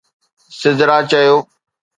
سدرا چيو